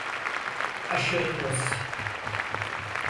Aşırı doz.